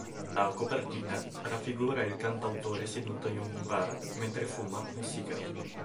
La copertina raffigura il cantautore seduto in un bar mentre fuma un sigaro.